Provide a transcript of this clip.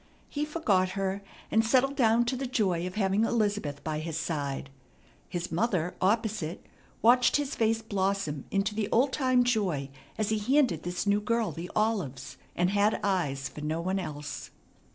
He forgot her, and settled down to the joy of having Elizabeth by his side. His mother, opposite, watched his face blossom into the old time joy as he handed this new girl the olives, and had eyes for no one else.